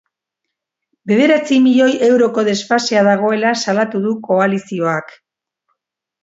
Bederatzi milioi euroko desfasea dagoela salatu du koalizioak.